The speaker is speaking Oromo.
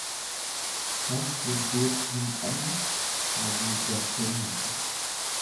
Kan hudduutti hin qabne haguuggattee hagdi.